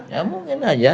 ya mungkin aja